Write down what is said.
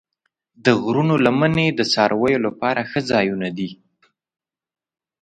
د غرونو لمنې د څارویو لپاره ښه ځایونه دي.